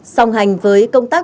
song hành với công tác